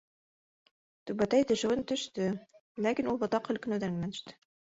Түбәтәй төшөүен төштө, ләкин ул ботаҡ һелкенеүҙән генә төштө.